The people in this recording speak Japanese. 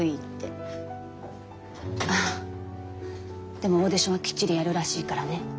でもオーディションはきっちりやるらしいからね？